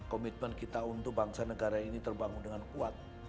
komitmen kita untuk bangsa negara ini terbangun dengan kuat